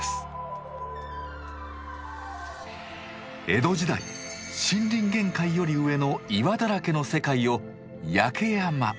江戸時代森林限界より上の岩だらけの世界を「焼山」。